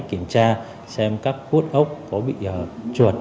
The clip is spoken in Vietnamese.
kiểm tra xem các khuất ốc có bị chuột